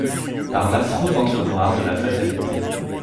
Par l'affreux ventre noir de la fatalité.